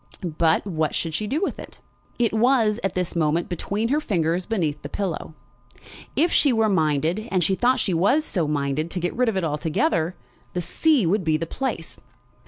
But what should she do with it? It was, at this moment, between her fingers beneath the pillow. If she were minded, and she thought she was so minded, to get rid of it altogether, the sea would be the place.